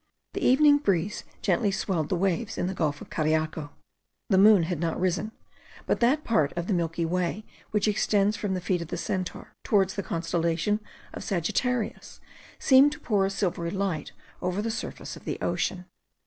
The evening breeze gently swelled the waves in the gulf of Cariaco. The moon had not risen, but that part of the milky way which extends from the feet of the Centaur towards the constellation of Sagittarius, seemed to pour a silvery light over the surface of the ocean.